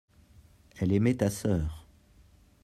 elle aimait ta sœur.